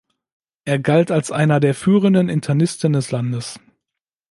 Er galt als einer der führenden Internisten des Landes.